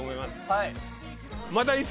はい。